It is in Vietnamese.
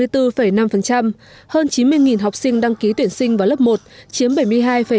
trường mầm non chiếm bảy mươi bốn năm hơn chín mươi học sinh đăng ký tuyển sinh vào lớp một chiếm bảy mươi hai ba